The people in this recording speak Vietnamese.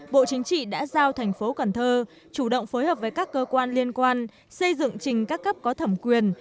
bộ chính trị đã giao thành phố cần thơ chủ động phối hợp với các cơ quan liên quan xây dựng trình các cấp có thẩm quyền